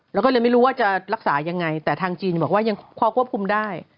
แล้วก็เลยไม่รู้ว่าจะรักษายังไงแต่ทางจีนบอกว่ายังพอควบคุมได้